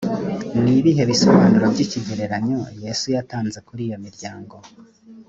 ni ibihe bisobanuro by’ ikigereranyo yesu yatanze kuri iyomiryango.